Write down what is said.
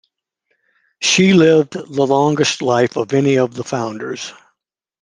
She lived the longest life of any of the founders.